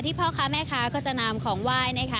ที่พ่อค้าแม่ค้าก็จะนำของไหว้